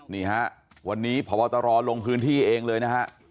นี่ฮะวันนี้พบตรลงพื้นที่เองเลยนะฮะ